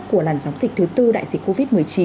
của làn sóng dịch thứ tư đại dịch covid một mươi chín